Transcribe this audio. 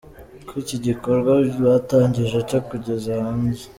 ko iki gikorwa batangije cyo kugeza hanze.